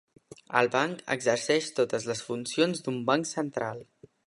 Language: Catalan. El banc exerceix totes les funcions d'un banc central.